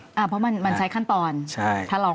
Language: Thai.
เพราะมันใช้ขั้นตอนทะลองกันเอง